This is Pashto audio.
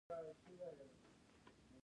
هر انسان د ذاتي ارزښت لرونکی دی.